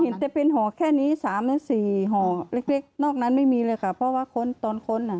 ก็เห็นแต่เป็นห่อแค่นี้๓๔ห่อเล็กนอกนั้นไม่มีเลยค่ะเพราะว่าคนต้นคน